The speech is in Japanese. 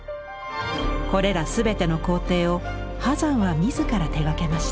これら全ての工程を波山は自ら手がけました。